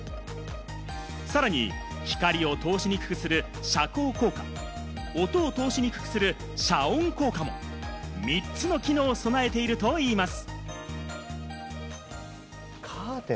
さらに光を通しにくくする遮光効果、音を通しにくくする遮音効果、３つの機能を備えているといいます。